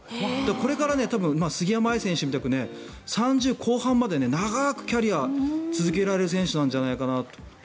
これからたぶん杉山愛選手みたく３０後半まで長くキャリアを続けられる選手じゃないかなと。